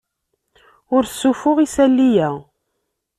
Ur ssuffuɣ isali-a.